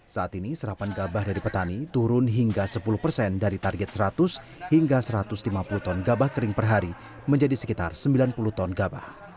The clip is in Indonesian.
saat ini serapan gabah dari petani turun hingga sepuluh persen dari target seratus hingga satu ratus lima puluh ton gabah kering per hari menjadi sekitar sembilan puluh ton gabah